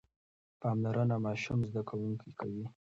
پاملرنه ماشوم زده کوونکی کوي.